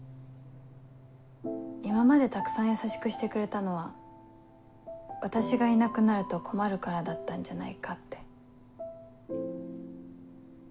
今までたくさん優しくしてくれたのは私がいなくなると困るからだったんじゃないかって。